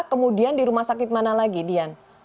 kemudian di rumah sakit mana lagi dian